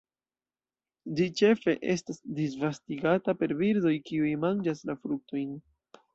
Ĝi ĉefe estas disvastigata per birdoj kiuj manĝas la fruktojn.